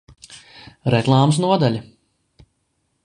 Reklāmas nodaļa